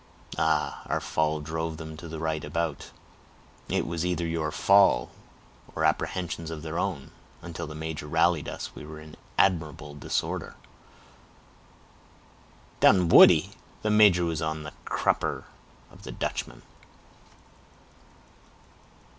"Ah! our fall drove them to the right about?" "It was either your fall, or apprehensions of their own; until the major rallied us, we were in admirable disorder." "Dunwoodie! the major was on the crupper of the Dutchman."